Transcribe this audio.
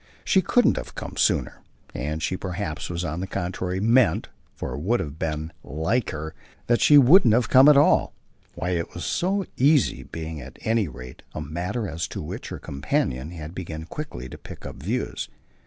She couldn't have come sooner, and she perhaps on the contrary meant for it would have been like her that she wouldn't have come at all; why it was so easy being at any rate a matter as to which her companion had begun quickly to pick up views.